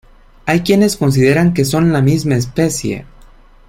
Hay quienes consideran que son la misma especie.